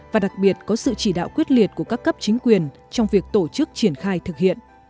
và đặc biệt có sự chỉ đạo quyết liệt của các cấp chính quyền trong việc tổ chức triển khai thực hiện